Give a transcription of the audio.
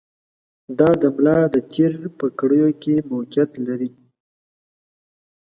دا د ملا د تېر په کړیو کې موقعیت لري.